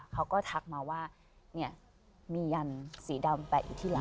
เขาก็ทักมาว่ามียันสีดำแปะอยู่ที่หลัง